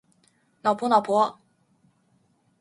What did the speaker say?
脑婆脑婆